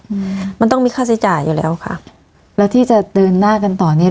อืมมันต้องมีค่าใช้จ่ายอยู่แล้วค่ะแล้วที่จะเดินหน้ากันต่อเนี้ย